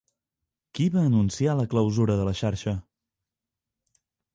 Qui va anunciar la clausura de la xarxa?